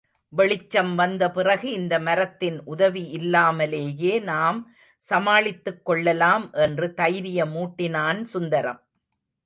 வெளிச்சம் வந்த பிறகு இந்த மரத்தின் உதவி இல்லாமலேயே நாம் சமாளித்துக்கொள்ளலாம் என்று தைரியமூட்டினான் சுந்தரம்.